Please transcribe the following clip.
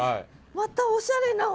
またおしゃれな。